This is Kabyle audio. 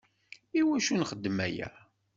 Iwacu nxeddem aya?